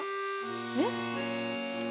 えっ？